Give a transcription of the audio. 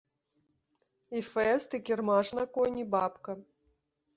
І фэст, і кірмаш на коні, бабка.